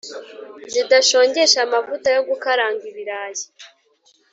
Zidashongesha amavuta yo gukaranga ibirayi.